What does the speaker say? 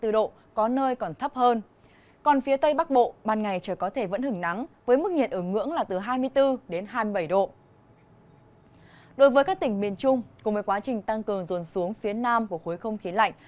đối với các tỉnh miền trung cùng với quá trình tăng cường dồn xuống phía nam của khối không khí lạnh